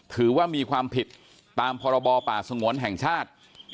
ถือว่ามีความผิดตามพรบป่าสงวนแห่งชาติ